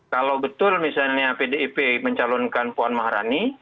kalau betul misalnya pdip mencalonkan puan maharani